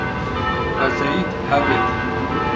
بەزەییت هەبێت!